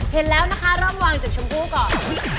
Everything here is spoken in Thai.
เห็นแล้วนะคะเริ่มวางจากชมพู่ก่อน